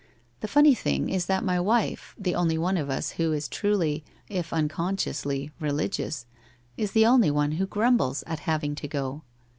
The funny thing is that my wife, the only one of us who is truly, if uncon sciously, religious, is the only one who grumbles at having to go.